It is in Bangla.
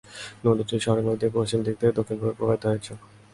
নদীটি শহরের মধ্য দিয়ে পশ্চিম থেকে দক্ষিণ-পূর্বে প্রবাহিত হয়েছে।